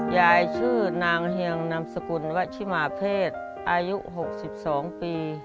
ยายชื่อนางเฮียงนามสกุลวัชิมาเพศอายุ๖๒ปี